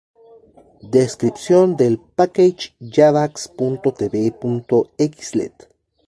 Descripción del Package javax.tv.xlet